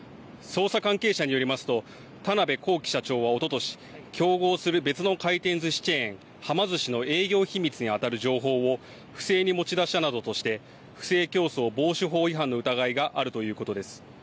捜査関係者によりますと田邊公己社長はおととし、競合する別の回転ずしチェーン、はま寿司の営業秘密にあたる情報を不正に持ち出したなどとして不正競争防止法違反の疑いがあるということです。